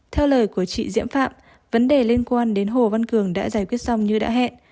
theo lời của chị diễm phạm vấn đề liên quan đến hồ văn cường đã giải quyết xong như đã hẹn